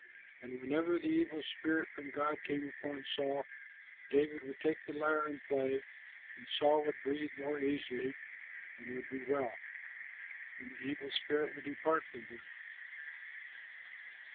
And whenever the evil spirit from God came upon Saul, David would take the lyre and play, and Saul would breathe more easily and would be well, and the evil spirit would depart from him.